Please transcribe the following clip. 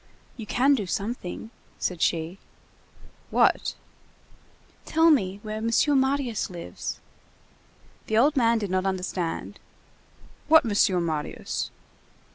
"You can do something," said she. "What?" "Tell me where M. Marius lives." The old man did not understand. "What Monsieur Marius?"